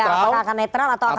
apakah akan netral atau akan